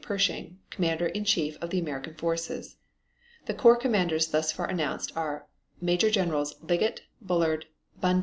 Pershing, Commander in Chief of the American forces. The corps commanders thus far announced are Major Generals Liggett, Bullard, Bundy, Read, and Wright.